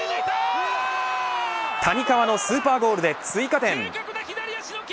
谷川のスーパーゴールで追加点。